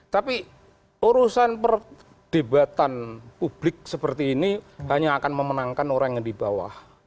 tapi urusan perdebatan publik seperti ini hanya akan memenangkan orang yang di bawah